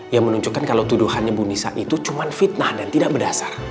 yang menunjukkan kalau tuduhannya bu nisa itu cuma fitnah dan tidak berdasar